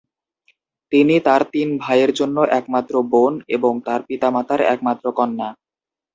তিনি তার তিন ভাইয়ের জন্য একমাত্র বোন এবং তার পিতা-মাতার একমাত্র কন্যা।